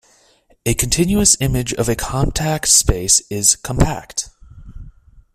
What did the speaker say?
A continuous image of a compact space is compact.